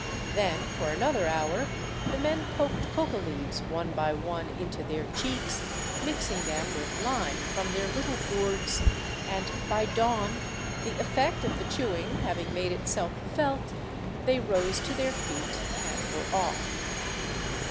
Then for another hour the men poked coca leaves one by one into their cheeks, mixing them with lime from their little gourds, and by dawn, the effect of the chew ing having made itself felt, they rose to their feet and were off.